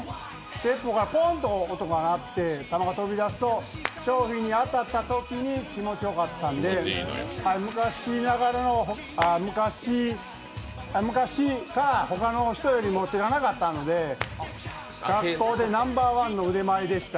鉄砲からポンと音が鳴って弾が飛び出すと賞品に当たったときに気持ちよかったんで、昔昔から他の人より手が長かったので学校でナンバーワンの腕前でした。